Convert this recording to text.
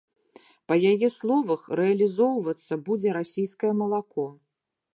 Па яе словах, рэалізоўвацца будзе расійскае малако.